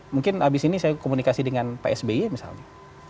mungkin habis ini saya komunikasi dengan psby misalnya